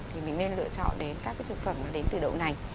thì mình nên lựa chọn đến các cái thực phẩm đến từ đậu nành